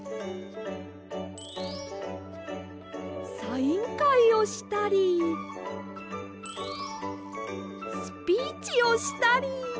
サインかいをしたりスピーチをしたり。